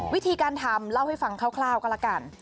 วิธีการทำเล่าให้ฟังคร่าวก็แล้วกัน